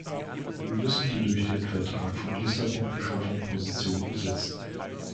Wir müssen die durch den Vertrag von Lissabon geschaffenen Positionen besetzen.